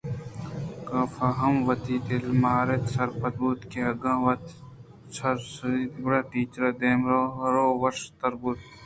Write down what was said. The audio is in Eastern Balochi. کافءَ ہم وتی دل ءَ ماراِت ءُسرپد بوت کہ اگاں وت ءَ شرداشت گڑا ٹیچر ءِ دم ءُ رُو وش تر بوت کنت